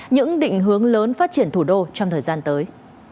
những định hướng lớn phát triển thủ đô trong thời gian tới